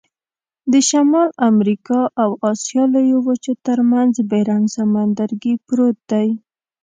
د شمال امریکا او آسیا لویو وچو ترمنځ بیرنګ سمندرګي پروت دی.